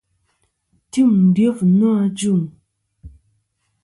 Tim dyef nô ajuŋ.